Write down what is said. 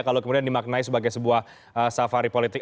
kalau kemudian dimaknai sebagai sebuah safari politik